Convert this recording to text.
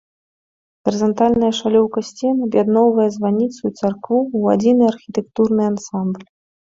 Гарызантальная шалёўка сцен аб'ядноўвае званіцу і царкву ў адзіны архітэктурны ансамбль.